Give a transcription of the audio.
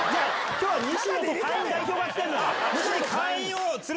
今日は。